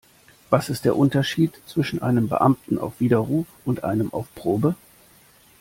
Was ist der Unterschied zwischen einem Beamten auf Widerruf und einem auf Probe?